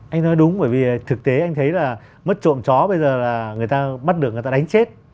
anh nói đúng bởi vì thực tế anh thấy là mất trộm chó bây giờ là người ta bắt được người ta đánh chết